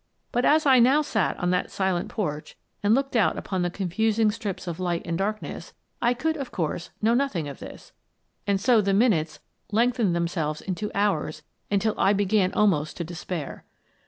But as I now sat on that silent porch and looked out upon the confusing strips of light and darkness, I could, of course, know nothing of this, and so the min utes lengthened themselves into hours until I began almost to despair.